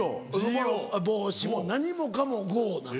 帽子も何もかも「ＧＯ」なの。